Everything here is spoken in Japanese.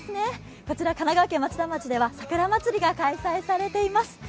こちら神奈川県松田町では桜まつりが行われています。